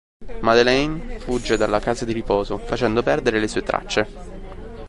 Madeleine fugge dalla casa di riposo facendo perdere le sue tracce.